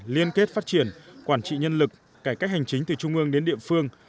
liên kết phát triển quản trị nhân lực cải cách hành chính từ trung ương đến địa phương